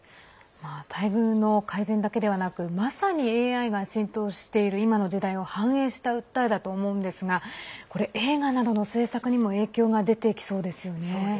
待遇の改善だけではなくまさにＡＩが浸透している今の時代を反映した訴えだと思うんですが映画などの制作にも影響が出てきそうですよね。